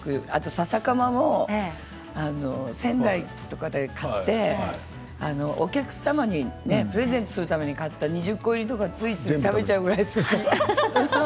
ささかまも仙台とかで買ってお客様にプレゼントするために買った２０個入りとかついつい食べちゃうくらい好き。